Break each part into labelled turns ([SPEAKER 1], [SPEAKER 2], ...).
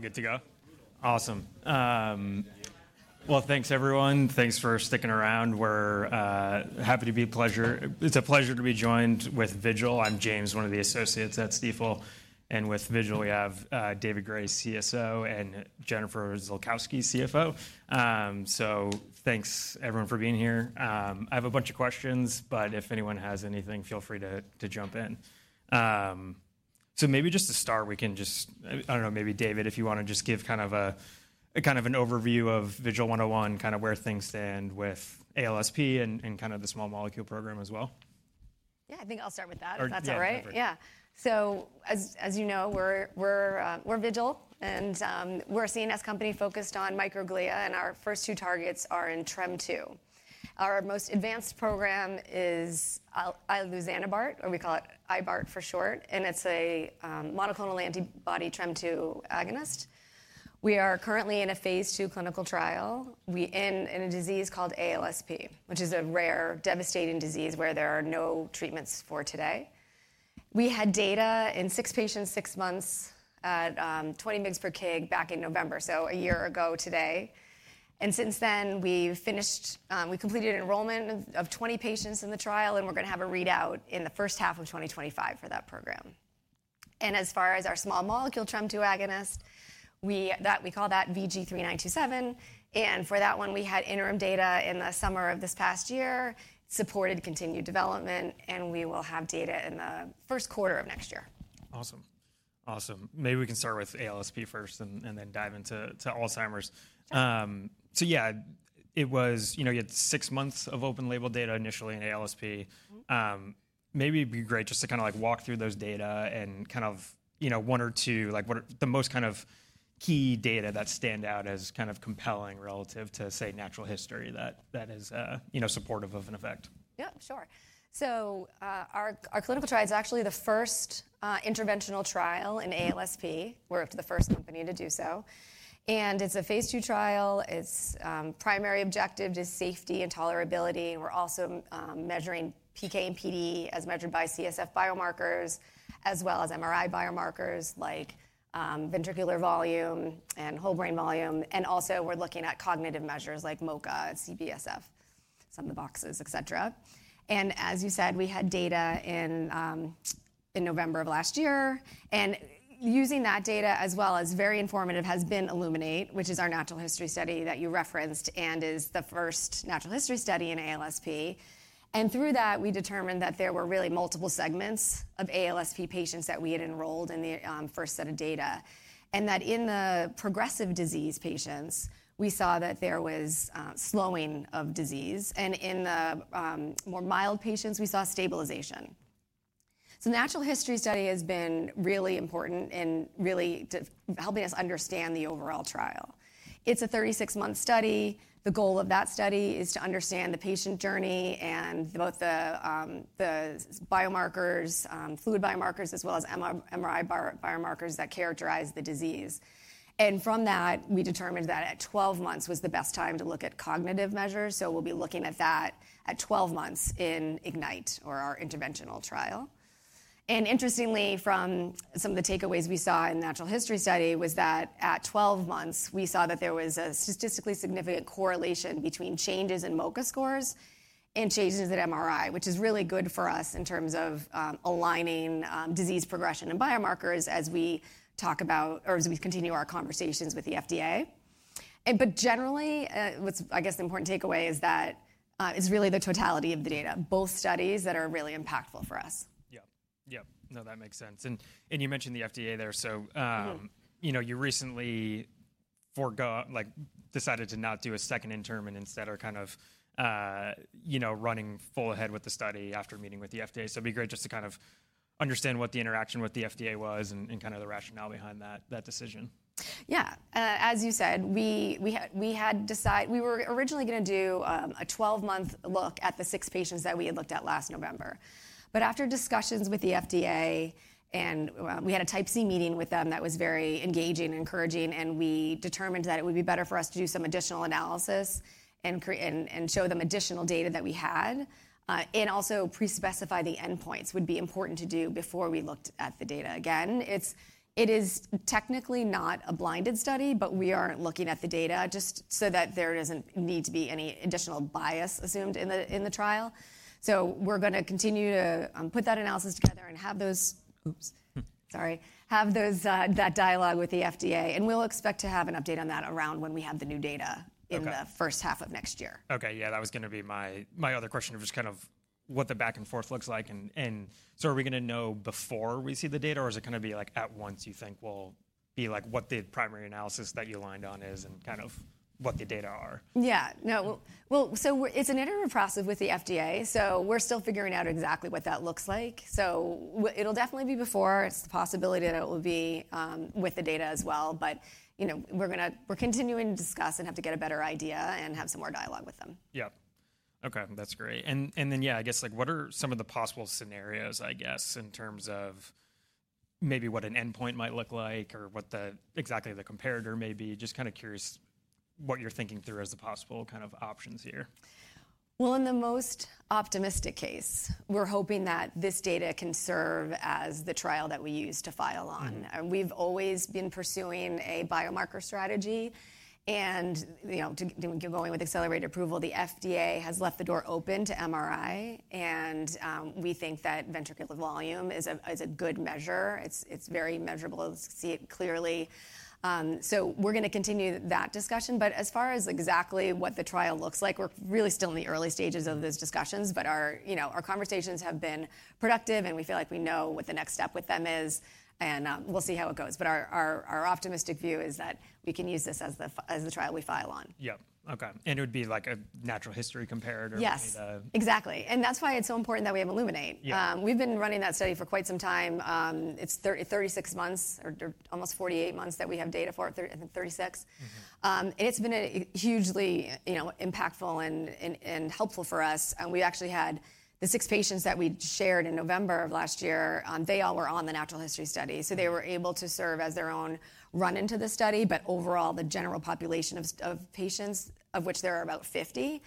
[SPEAKER 1] We're good to go? Awesome. Well, thanks, everyone. Thanks for sticking around. We're happy to be here. It's a pleasure to be joined with Vigil. I'm James, one of the associates at Stifel, and with Vigil, we have David Gray, CSO, and Jennifer Ziolkowski, CFO, so thanks, everyone, for being here. I have a bunch of questions, but if anyone has anything, feel free to jump in, so maybe just to start, we can just, I don't know, maybe David, if you want to just give kind of an overview of Vigil 101, kind of where things stand with ALSP and kind of the small molecule program as well.
[SPEAKER 2] Yeah, I think I'll start with that. That's all right. Yeah. So as you know, we're Vigil, and we're a CNS company focused on microglia, and our first two targets are in TREM2. Our most advanced program is iluzanebart, or we call it IBART for short, and it's a monoclonal antibody TREM2 agonist. We are currently in a phase II clinical trial in a disease called ALSP, which is a rare, devastating disease where there are no treatments for today. We had data in six patients, six months, at 20 mg/kg back in November, so a year ago today. And since then, we completed enrollment of 20 patients in the trial, and we're going to have a readout in the first half of 2025 for that program. And as far as our small molecule TREM2 agonist, we call that VG-3927. For that one, we had interim data in the summer of this past year, supported continued development, and we will have data in the first quarter of next year. Awesome. Awesome. Maybe we can start with ALSP first and then dive into Alzheimer's. So yeah, it was, you know, you had six months of open label data initially in ALSP. Maybe it'd be great just to kind of walk through those data and kind of one or two, like the most kind of key data that stand out as kind of compelling relative to, say, natural history that is supportive of an effect. Yep, sure. Our clinical trial is actually the first interventional trial in ALSP. We're the first company to do so. It's a phase II trial. Its primary objective is safety and tolerability. We're also measuring PK and PD as measured by CSF biomarkers, as well as MRI biomarkers like ventricular volume and whole brain volume. We're also looking at cognitive measures like MoCA and CDR-SB, Sum of Boxes, et cetera. As you said, we had data in November of last year. Using that data, as well as very informative, has been ILLUMINATE, which is our natural history study that you referenced and is the first natural history study in ALSP. Through that, we determined that there were really multiple segments of ALSP patients that we had enrolled in the first set of data, and that in the progressive disease patients, we saw that there was slowing of disease. In the more mild patients, we saw stabilization. The natural history study has been really important in really helping us understand the overall trial. It is a 36-month study. The goal of that study is to understand the patient journey and both the biomarkers, fluid biomarkers, as well as MRI biomarkers that characterize the disease. From that, we determined that at 12 months was the best time to look at cognitive measures. We'll be looking at that at 12 months in IGNITE, or our interventional trial. Interestingly, from some of the takeaways we saw in the natural history study was that at 12 months, we saw that there was a statistically significant correlation between changes in MoCA scores and changes in MRI, which is really good for us in terms of aligning disease progression and biomarkers as we talk about or as we continue our conversations with the FDA. Generally, I guess the important takeaway is that it's really the totality of the data, both studies that are really impactful for us. Yep. Yep. No, that makes sense. And you mentioned the FDA there. So you recently decided to not do a second interim and instead are kind of running full ahead with the study after meeting with the FDA. So it'd be great just to kind of understand what the interaction with the FDA was and kind of the rationale behind that decision. Yeah. As you said, we were originally going to do a 12-month look at the six patients that we had looked at last November, but after discussions with the FDA, and we had a type C meeting with them that was very engaging and encouraging, and we determined that it would be better for us to do some additional analysis and show them additional data that we had, and also pre-specify the endpoints would be important to do before we looked at the data again. It is technically not a blinded study, but we are looking at the data just so that there doesn't need to be any additional bias assumed in the trial, so we're going to continue to put that analysis together and have that dialogue with the FDA. We'll expect to have an update on that around when we have the new data in the first half of next year. Okay. Yeah, that was going to be my other question, which is kind of what the back and forth looks like. And so are we going to know before we see the data, or is it going to be like at once you think will be like what the primary analysis that you aligned on is and kind of what the data are? Yeah. No, well, so it's an interim process with the FDA, so we're still figuring out exactly what that looks like. So it'll definitely be before. It's the possibility that it will be with the data as well. But we're continuing to discuss and have to get a better idea and have some more dialogue with them. Yep. Okay. That's great, and then, yeah, I guess what are some of the possible scenarios, I guess, in terms of maybe what an endpoint might look like or what exactly the comparator may be? Just kind of curious what you're thinking through as the possible kind of options here. In the most optimistic case, we're hoping that this data can serve as the trial that we use to file on. We've always been pursuing a biomarker strategy. Going with accelerated approval, the FDA has left the door open to MRI, and we think that ventricular volume is a good measure. It's very measurable. You can see it clearly, so we're going to continue that discussion, but as far as exactly what the trial looks like, we're really still in the early stages of those discussions, but our conversations have been productive, and we feel like we know what the next step with them is, and we'll see how it goes, but our optimistic view is that we can use this as the trial we file on. Yep. Okay. And it would be like a natural history comparator. Yes. Exactly. And that's why it's so important that we have ILLUMINATE. We've been running that study for quite some time. It's 36 months, or almost 48 months that we have data for, I think 36. And it's been hugely impactful and helpful for us. And we actually had the six patients that we shared in November of last year. They all were on the natural history study. So they were able to serve as their own run-in to the study. But overall, the general population of patients, of which there are about 50,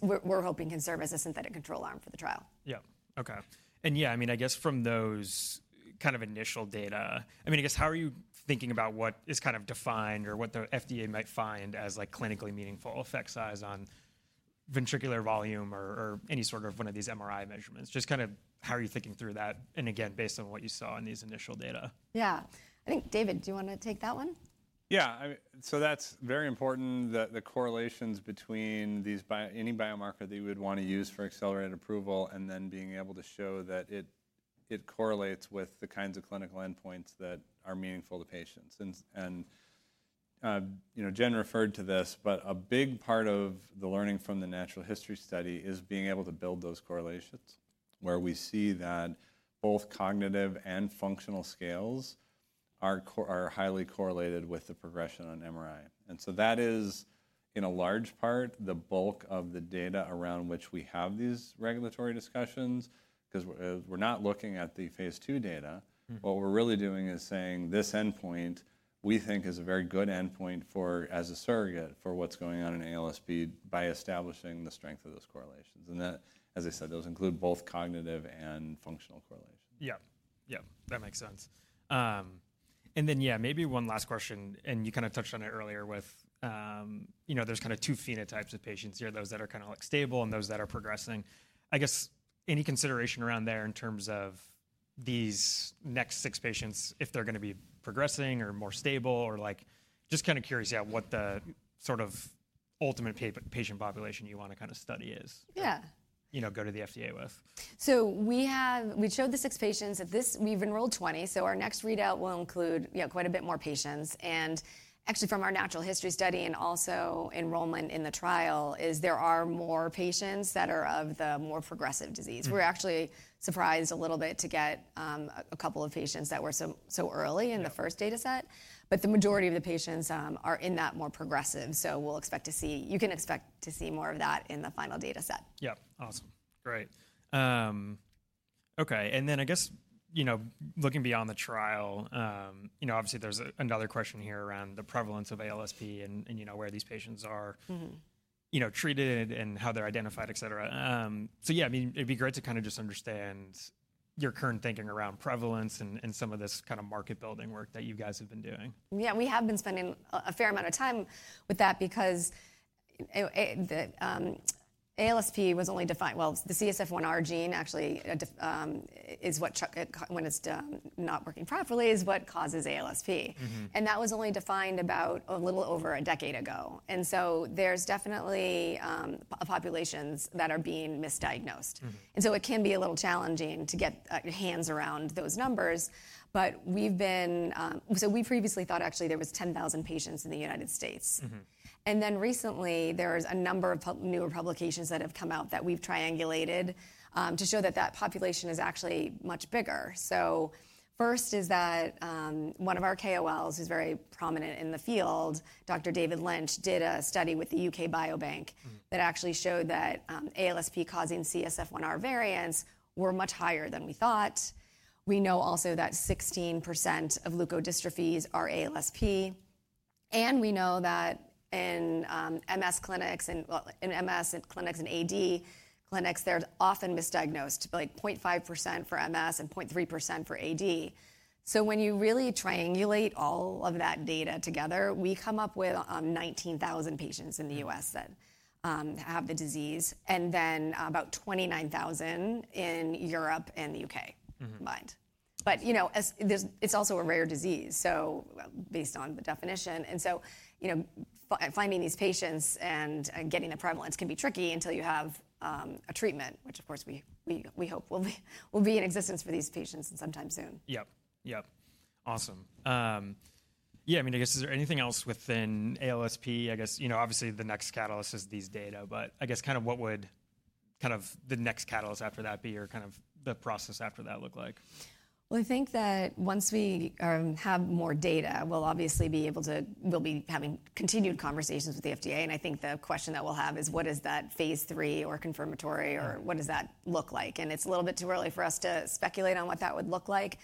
[SPEAKER 2] we're hoping can serve as a synthetic control arm for the trial. Yep. Okay. And yeah, I mean, I guess from those kind of initial data, I mean, I guess how are you thinking about what is kind of defined or what the FDA might find as clinically meaningful effect size on ventricular volume or any sort of one of these MRI measurements? Just kind of how are you thinking through that, and again, based on what you saw in these initial data. Yeah. I think David, do you want to take that one?
[SPEAKER 3] Yeah. So that's very important, the correlations between any biomarker that you would want to use for accelerated approval and then being able to show that it correlates with the kinds of clinical endpoints that are meaningful to patients. And Jen referred to this, but a big part of the learning from the natural history study is being able to build those correlations where we see that both cognitive and functional scales are highly correlated with the progression on MRI. And so that is, in a large part, the bulk of the data around which we have these regulatory discussions, because we're not looking at the phase II data. What we're really doing is saying this endpoint, we think, is a very good endpoint as a surrogate for what's going on in ALSP by establishing the strength of those correlations. As I said, those include both cognitive and functional correlations. Yep. Yep. That makes sense. And then, yeah, maybe one last question, and you kind of touched on it earlier with there's kind of two phenotypes of patients here, those that are kind of stable and those that are progressing. I guess any consideration around there in terms of these next six patients, if they're going to be progressing or more stable, or just kind of curious what the sort of ultimate patient population you want to kind of study is?
[SPEAKER 2] Yeah. Go to the FDA with? We showed the six patients that we've enrolled 20, so our next readout will include quite a bit more patients. Actually, from our natural history study and also enrollment in the trial, there are more patients that are of the more progressive disease. We were actually surprised a little bit to get a couple of patients that were so early in the first data set. The majority of the patients are in that more progressive. We'll expect to see. You can expect to see more of that in the final data set. Yep. Awesome. Great. Okay. And then I guess looking beyond the trial, obviously, there's another question here around the prevalence of ALSP and where these patients are treated and how they're identified, et cetera. So yeah, I mean, it'd be great to kind of just understand your current thinking around prevalence and some of this kind of market-building work that you guys have been doing. Yeah, we have been spending a fair amount of time with that because ALSP was only defined well, the CSF1R gene actually is what when it's not working properly is what causes ALSP. And that was only defined about a little over a decade ago. And so there's definitely populations that are being misdiagnosed. And so it can be a little challenging to get hands around those numbers. But we've been so we previously thought actually there was 10,000 patients in the United States. And then recently, there's a number of newer publications that have come out that we've triangulated to show that that population is actually much bigger. So first is that one of our KOLs who's very prominent in the field, Dr. David Lynch, did a study with the UK Biobank that actually showed that ALSP-causing CSF1R variants were much higher than we thought. We know also that 16% of leukodystrophies are ALSP. And we know that in MS clinics and AD clinics, they're often misdiagnosed, like 0.5% for MS and 0.3% for AD. So when you really triangulate all of that data together, we come up with 19,000 patients in the U.S. that have the disease, and then about 29,000 in Europe and the U.K. combined. But it's also a rare disease, so based on the definition. And so finding these patients and getting the prevalence can be tricky until you have a treatment, which, of course, we hope will be in existence for these patients sometime soon. Yep. Yep. Awesome. Yeah, I mean, I guess is there anything else within ALSP? I guess, obviously, the next catalyst is these data, but I guess kind of what would kind of the next catalyst after that be or kind of the process after that look like? I think that once we have more data, we'll obviously be able to have continued conversations with the FDA. I think the question that we'll have is, what is that phase III or confirmatory, or what does that look like? It's a little bit too early for us to speculate on what that would look like.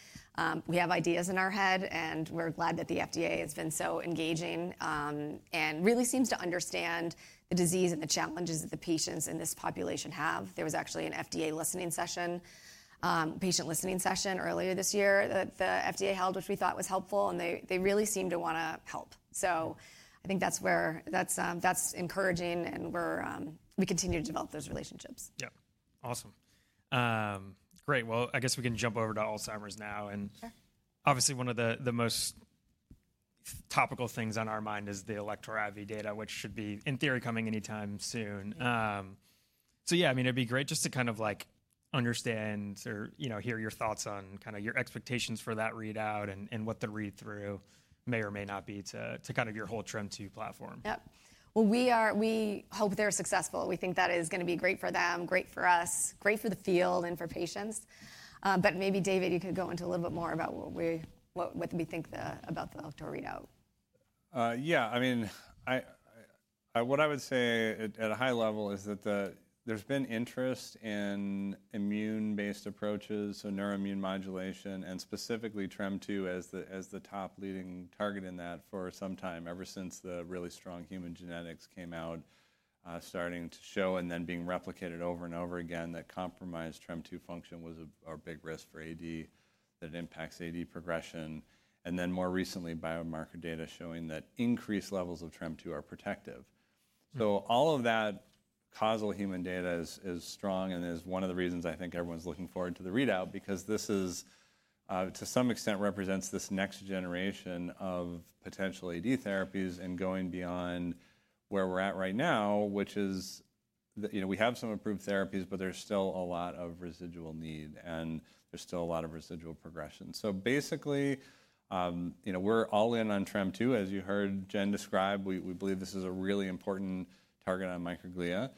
[SPEAKER 2] We have ideas in our head, and we're glad that the FDA has been so engaging and really seems to understand the disease and the challenges that the patients in this population have. There was actually an FDA listening session, patient listening session earlier this year that the FDA held, which we thought was helpful, and they really seem to want to help. I think that's encouraging, and we continue to develop those relationships. Yep. Awesome. Great, well, I guess we can jump over to Alzheimer's now, and obviously, one of the most topical things on our mind is the Alector IV data, which should be, in theory, coming anytime soon, so yeah, I mean, it'd be great just to kind of understand or hear your thoughts on kind of your expectations for that readout and what the read-through may or may not be to kind of your whole TREM2 platform. Yep. Well, we hope they're successful. We think that is going to be great for them, great for us, great for the field and for patients. But maybe, David, you could go into a little bit more about what we think about the Alector readout.
[SPEAKER 3] Yeah. I mean, what I would say at a high level is that there's been interest in immune-based approaches, so neuroimmune modulation, and specifically TREM2 as the top leading target in that for some time ever since the really strong human genetics came out, starting to show and then being replicated over and over again that compromised TREM2 function was a big risk for AD, that it impacts AD progression. And then more recently, biomarker data showing that increased levels of TREM2 are protective. So all of that causal human data is strong and is one of the reasons I think everyone's looking forward to the readout because this is, to some extent, represents this next generation of potential AD therapies and going beyond where we're at right now, which is we have some approved therapies, but there's still a lot of residual need and there's still a lot of residual progression. So basically, we're all in on TREM2. As you heard Jen describe, we believe this is a really important target on microglia.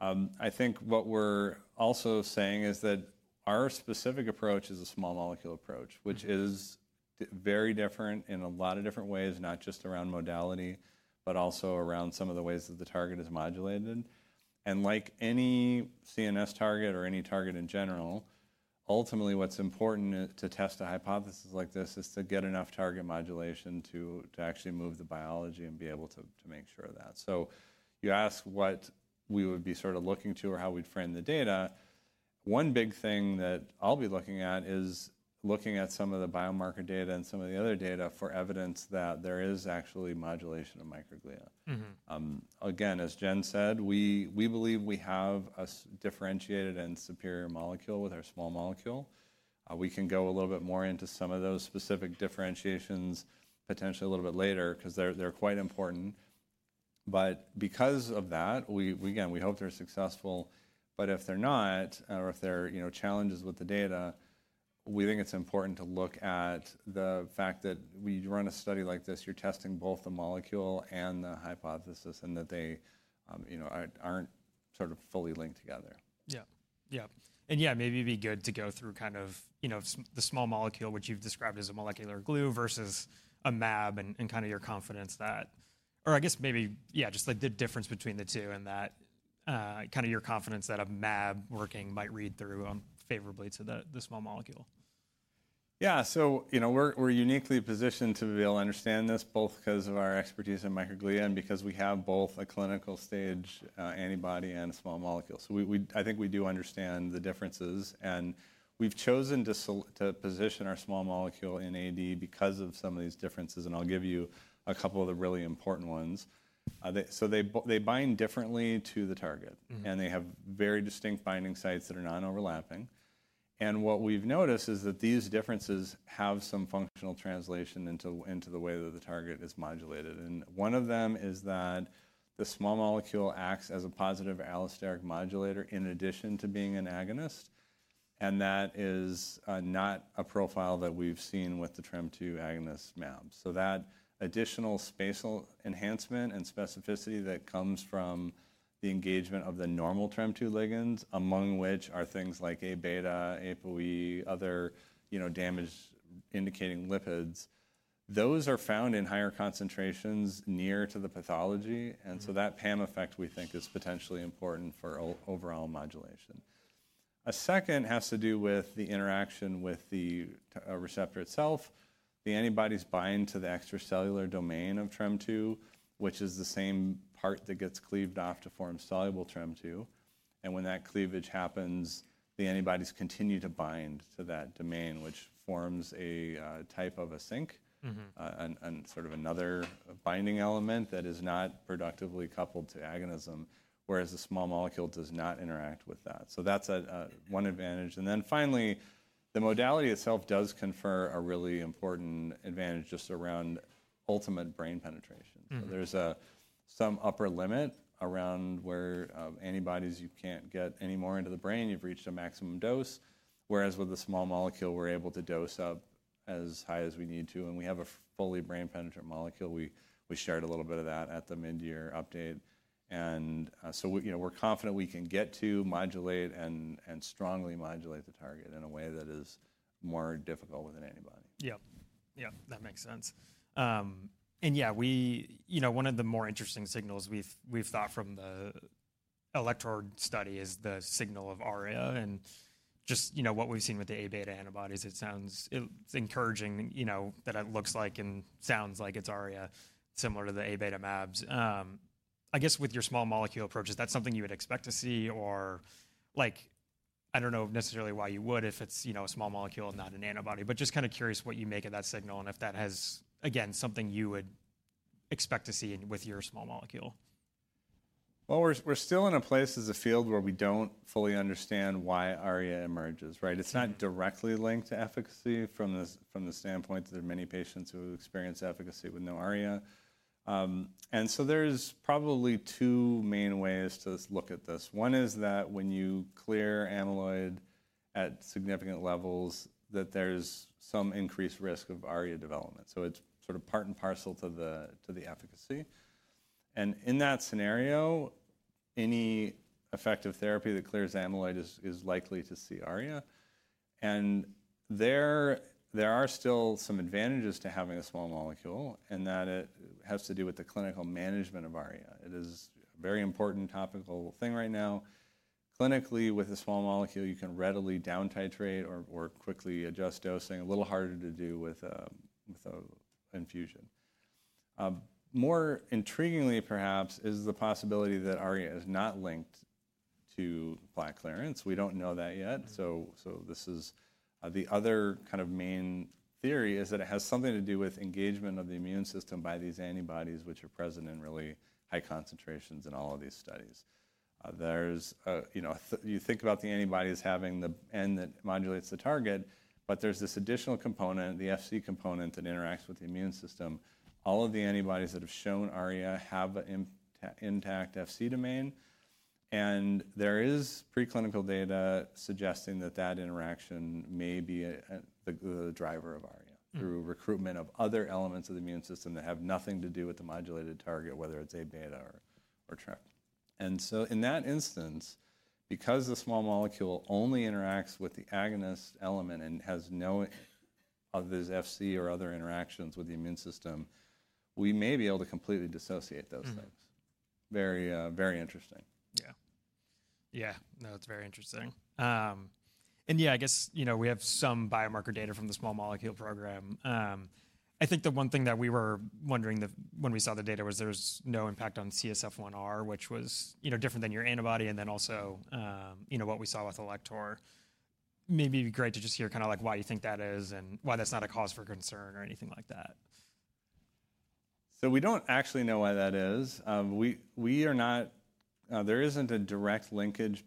[SPEAKER 3] I think what we're also saying is that our specific approach is a small molecule approach, which is very different in a lot of different ways, not just around modality, but also around some of the ways that the target is modulated. And like any CNS target or any target in general, ultimately, what's important to test a hypothesis like this is to get enough target modulation to actually move the biology and be able to make sure of that. So you ask what we would be sort of looking to or how we'd frame the data, one big thing that I'll be looking at is looking at some of the biomarker data and some of the other data for evidence that there is actually modulation of microglia. Again, as Jen said, we believe we have a differentiated and superior molecule with our small molecule. We can go a little bit more into some of those specific differentiations potentially a little bit later because they're quite important. But because of that, again, we hope they're successful. But if they're not or if there are challenges with the data, we think it's important to look at the fact that when you run a study like this, you're testing both the molecule and the hypothesis and that they aren't sort of fully linked together. Yep. Yep, and yeah, maybe it'd be good to go through kind of the small molecule, which you've described as a molecular glue versus a mAb and kind of your confidence that or I guess maybe, yeah, just the difference between the two and that kind of your confidence that a mAb working might read through favorably to the small molecule. Yeah. So we're uniquely positioned to be able to understand this both because of our expertise in microglia and because we have both a clinical stage antibody and a small molecule. So I think we do understand the differences. And we've chosen to position our small molecule in AD because of some of these differences. And I'll give you a couple of the really important ones. So they bind differently to the target, and they have very distinct binding sites that are non-overlapping. And what we've noticed is that these differences have some functional translation into the way that the target is modulated. And one of them is that the small molecule acts as a positive allosteric modulator in addition to being an agonist. And that is not a profile that we've seen with the TREM2 agonist mAb. So that additional spatial enhancement and specificity that comes from the engagement of the normal TREM2 ligands, among which are things like A beta, ApoE, other damage-indicating lipids, those are found in higher concentrations near to the pathology. And so that PAM effect, we think, is potentially important for overall modulation. A second has to do with the interaction with the receptor itself. The antibodies bind to the extracellular domain of TREM2, which is the same part that gets cleaved off to form soluble TREM2. And when that cleavage happens, the antibodies continue to bind to that domain, which forms a type of a sink, sort of another binding element that is not productively coupled to agonism, whereas the small molecule does not interact with that. So that's one advantage. And then finally, the modality itself does confer a really important advantage just around ultimate brain penetration. There's some upper limit around where antibodies you can't get any more into the brain. You've reached a maximum dose, whereas with the small molecule, we're able to dose up as high as we need to. And we have a fully brain-penetrating molecule. We shared a little bit of that at the mid-year update. And so we're confident we can get to modulate and strongly modulate the target in a way that is more difficult with an antibody. Yep. Yep. That makes sense. And yeah, one of the more interesting signals we've thought from the Alector study is the signal of ARIA. And just what we've seen with the Aβ antibodies, it sounds encouraging that it looks like and sounds like it's ARIA, similar to the Aβ mAbs. I guess with your small molecule approach, is that something you would expect to see? Or I don't know necessarily why you would if it's a small molecule and not an antibody, but just kind of curious what you make of that signal and if that has, again, something you would expect to see with your small molecule. Well, we're still in a place as a field where we don't fully understand why ARIA emerges, right? It's not directly linked to efficacy from the standpoint that there are many patients who experience efficacy with no ARIA. And so there's probably two main ways to look at this. One is that when you clear amyloid at significant levels, that there's some increased risk of ARIA development. So it's sort of part and parcel to the efficacy. And in that scenario, any effective therapy that clears amyloid is likely to see ARIA. And there are still some advantages to having a small molecule, and that has to do with the clinical management of ARIA. It is a very important topical thing right now. Clinically, with a small molecule, you can readily down-titrate or quickly adjust dosing. A little harder to do with infusion. More intriguingly, perhaps, is the possibility that ARIA is not linked to plaque clearance. We don't know that yet. So this is the other kind of main theory is that it has something to do with engagement of the immune system by these antibodies, which are present in really high concentrations in all of these studies. You think about the antibodies having the end that modulates the target, but there's this additional component, the Fc component that interacts with the immune system. All of the antibodies that have shown ARIA have an intact Fc domain. And there is preclinical data suggesting that that interaction may be the driver of ARIA through recruitment of other elements of the immune system that have nothing to do with the modulated target, whether it's Aβ or TREM. In that instance, because the small molecule only interacts with the agonist element and has none of these Fc or other interactions with the immune system, we may be able to completely dissociate those things. Very, very interesting. Yeah. Yeah. No, it's very interesting, and yeah, I guess we have some biomarker data from the small molecule program. I think the one thing that we were wondering when we saw the data was there's no impact on CSF1R, which was different than your antibody, and then also what we saw with Alector. Maybe it'd be great to just hear kind of why you think that is and why that's not a cause for concern or anything like that. We don't actually know why that is. There isn't a direct linkage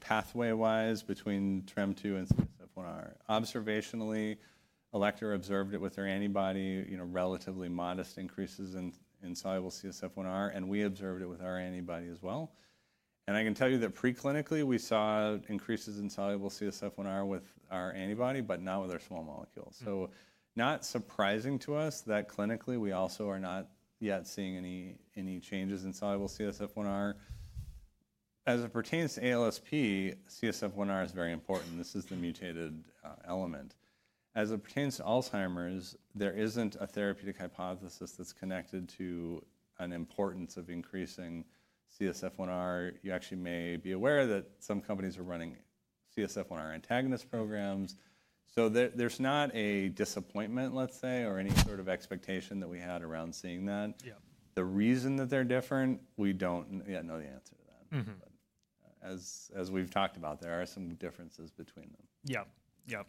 [SPEAKER 3] pathway-wise between TREM2 and CSF1R. Observationally, Alector observed it with their antibody, relatively modest increases in soluble CSF1R, and we observed it with our antibody as well. And I can tell you that preclinically, we saw increases in soluble CSF1R with our antibody, but not with our small molecule. So not surprising to us that clinically, we also are not yet seeing any changes in soluble CSF1R. As it pertains to ALSP, CSF1R is very important. This is the mutated element. As it pertains to Alzheimer's, there isn't a therapeutic hypothesis that's connected to an importance of increasing CSF1R. You actually may be aware that some companies are running CSF1R antagonist programs. So there's not a disappointment, let's say, or any sort of expectation that we had around seeing that. The reason that they're different, we don't yet know the answer to that. As we've talked about, there are some differences between them. Yep. Yep.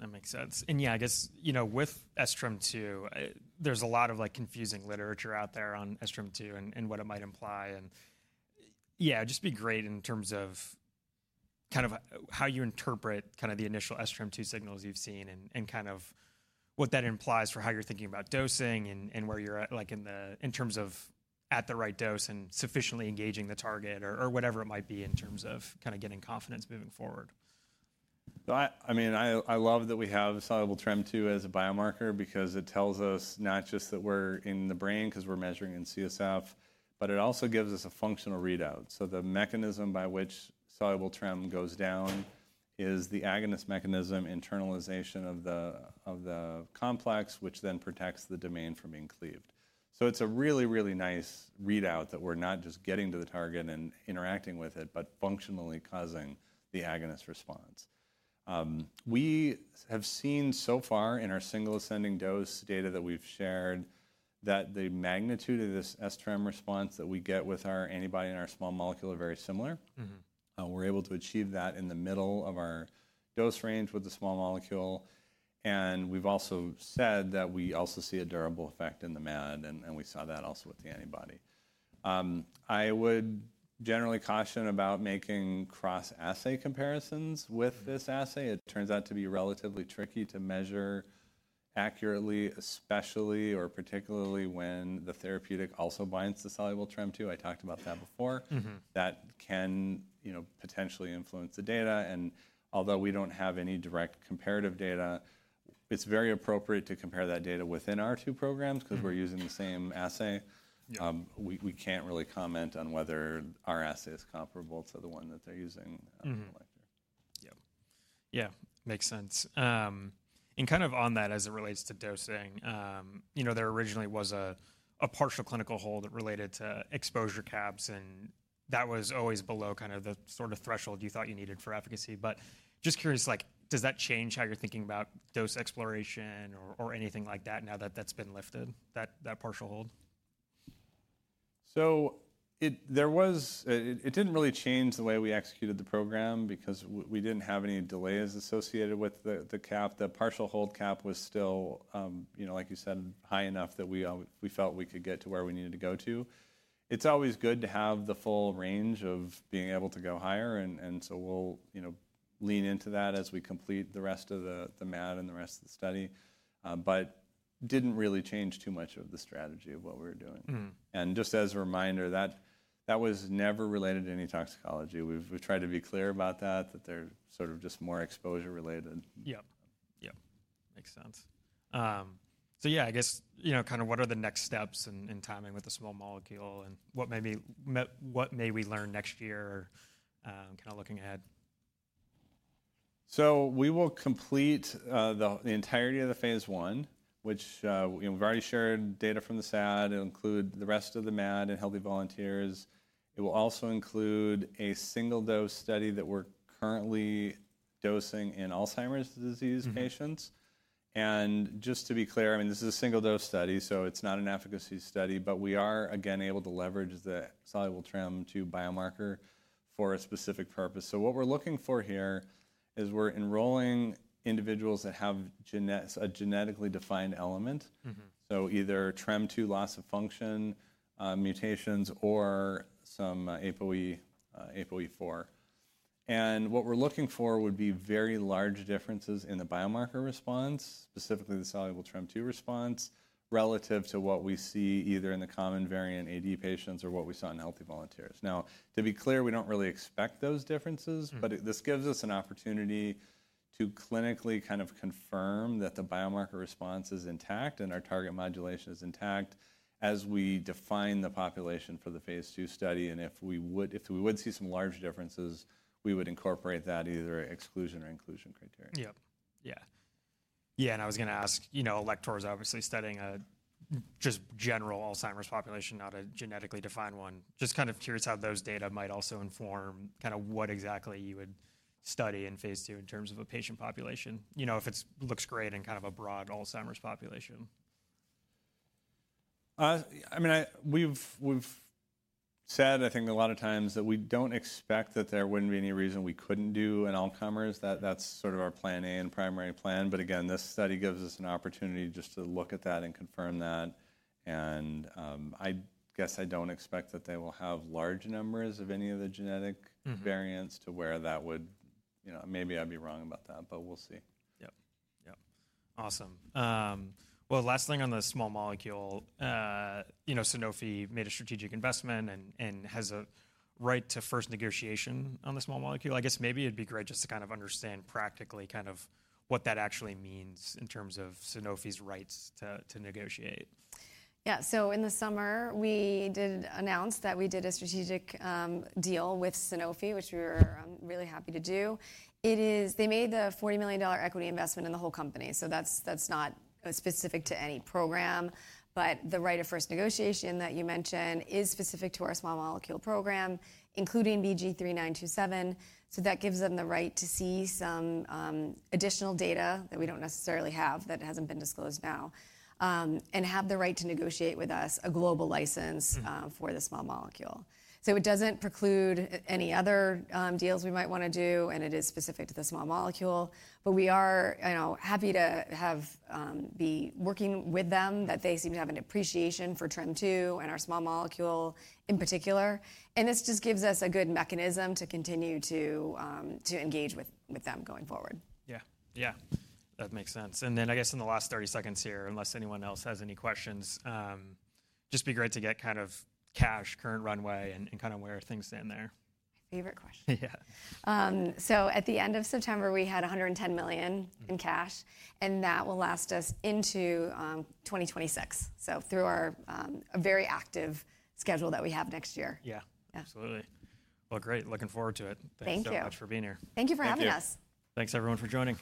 [SPEAKER 3] That makes sense. And yeah, I guess with sTREM2, there's a lot of confusing literature out there on sTREM2 and what it might imply. And yeah, it'd just be great in terms of kind of how you interpret kind of the initial sTREM2 signals you've seen and kind of what that implies for how you're thinking about dosing and where you're in terms of at the right dose and sufficiently engaging the target or whatever it might be in terms of kind of getting confidence moving forward. I mean, I love that we have soluble TREM2 as a biomarker because it tells us not just that we're in the brain because we're measuring in CSF, but it also gives us a functional readout. So the mechanism by which soluble TREM2 goes down is the agonist mechanism internalization of the complex, which then protects the domain from being cleaved. So it's a really, really nice readout that we're not just getting to the target and interacting with it, but functionally causing the agonist response. We have seen so far in our single ascending dose data that we've shared that the magnitude of this sTREM2 response that we get with our antibody and our small molecule are very similar. We're able to achieve that in the middle of our dose range with the small molecule. We've also said that we also see a durable effect in the MAD, and we saw that also with the antibody. I would generally caution about making cross-assay comparisons with this assay. It turns out to be relatively tricky to measure accurately, especially or particularly when the therapeutic also binds to soluble TREM2. I talked about that before. That can potentially influence the data. Although we don't have any direct comparative data, it's very appropriate to compare that data within our two programs because we're using the same assay. We can't really comment on whether our assay is comparable to the one that they're using. Yep. Yeah. Makes sense. And kind of on that as it relates to dosing, there originally was a partial clinical hold related to exposure caps, and that was always below kind of the sort of threshold you thought you needed for efficacy. But just curious, does that change how you're thinking about dose exploration or anything like that now that that's been lifted, that partial hold? So, it didn't really change the way we executed the program because we didn't have any delays associated with the cap. The partial hold cap was still, like you said, high enough that we felt we could get to where we needed to go to. It's always good to have the full range of being able to go higher. And so we'll lean into that as we complete the rest of the MAD and the rest of the study. But didn't really change too much of the strategy of what we were doing. And just as a reminder, that was never related to any toxicology. We've tried to be clear about that, that they're sort of just more exposure-related. Yep. Yep. Makes sense. So yeah, I guess kind of what are the next steps in timing with the small molecule and what may we learn next year kind of looking ahead? So we will complete the entirety of the phase I, which we've already shared data from the SAD and include the rest of the MAD and healthy volunteers. It will also include a single dose study that we're currently dosing in Alzheimer's disease patients. And just to be clear, I mean, this is a single dose study, so it's not an efficacy study, but we are, again, able to leverage the soluble TREM2 biomarker for a specific purpose. So what we're looking for here is we're enrolling individuals that have a genetically defined element, so either TREM2 loss of function mutations or some ApoE4. And what we're looking for would be very large differences in the biomarker response, specifically the soluble TREM2 response, relative to what we see either in the common variant AD patients or what we saw in healthy volunteers. Now, to be clear, we don't really expect those differences, but this gives us an opportunity to clinically kind of confirm that the biomarker response is intact and our target modulation is intact as we define the population for the phase II study, and if we would see some large differences, we would incorporate that either exclusion or inclusion criteria. And I was going to ask, Alector is obviously studying just a general Alzheimer's population, not a genetically defined one. Just kind of curious how those data might also inform kind of what exactly you would study in phase two in terms of a patient population, if it looks great in kind of a broad Alzheimer's population? I mean, we've said, I think, a lot of times that we don't expect that there wouldn't be any reason we couldn't do an Alzheimer's. That's sort of our plan A and primary plan. But again, this study gives us an opportunity just to look at that and confirm that. And I guess I don't expect that they will have large numbers of any of the genetic variants to where that would maybe I'd be wrong about that, but we'll see. Yep. Yep. Awesome. Well, last thing on the small molecule, Sanofi made a strategic investment and has a right to first negotiation on the small molecule. I guess maybe it'd be great just to kind of understand practically kind of what that actually means in terms of Sanofi's rights to negotiate.
[SPEAKER 2] Yeah. So in the summer, we did announce that we did a strategic deal with Sanofi, which we were really happy to do. They made the $40 million equity investment in the whole company. So that's not specific to any program. But the right of first negotiation that you mentioned is specific to our small molecule program, including VG-3927. So that gives them the right to see some additional data that we don't necessarily have that hasn't been disclosed now and have the right to negotiate with us a global license for the small molecule. So it doesn't preclude any other deals we might want to do, and it is specific to the small molecule. But we are happy to be working with them, that they seem to have an appreciation for TREM2 and our small molecule in particular. This just gives us a good mechanism to continue to engage with them going forward. Yeah. Yeah. That makes sense. And then I guess in the last 30 seconds here, unless anyone else has any questions, just be great to get kind of cash, current runway, and kind of where things stand there. My favorite question. Yeah. So at the end of September, we had $110 million in cash, and that will last us into 2026. So through our very active schedule that we have next year. Yeah. Absolutely. Well, great. Looking forward to it. Thank you. Thanks so much for being here. Thank you for having us. Thanks everyone for joining.